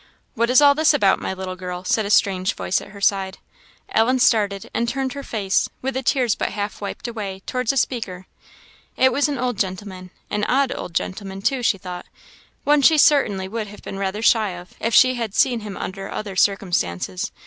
"What is all this about, my little girl?" said a strange voice at her side. Ellen started, and turned her face, with the tears but half wiped away, towards the speaker. It was an old gentleman an odd old gentleman, too, she thought one she certainly would have been rather shy of, if she had seen him under other circumstances.